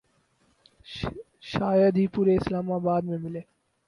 شاید ہی پورے اسلام آباد میں ملے